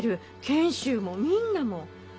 賢秀もみんなも。